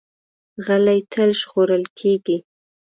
غلی، تل ژغورل کېږي.